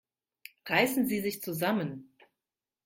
Reißen Sie sich zusammen!